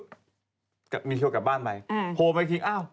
นิวเคลียร์กลับบ้านไปโหไม่คิดอ้าว